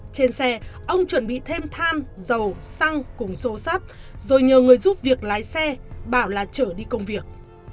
trên xe ông chuẩn bị thêm than dầu xăng cùng xô sát rồi nhờ người giúp việc lái xe bảo là trở đi công việc